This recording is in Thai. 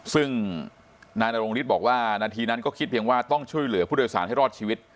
ซึ่งนายนรงฤทธิ์บอกว่านาทีนั้นก็คิดเพียงว่าต้องช่วยเหลือผู้โดยสารให้รอดชีวิต